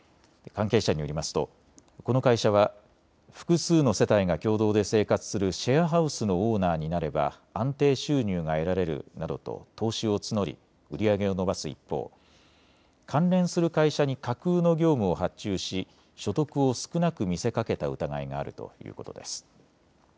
関係者によりますと、この会社は複数の世帯が共同で生活するシェアハウスのオーナーになれば安定収入が得られるなどと投資を募り売り上げを伸ばす一方、関連する会社に架空の業務を発注し所得を少なく見せかけた疑いがあるということです。